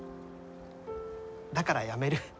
だからやめる。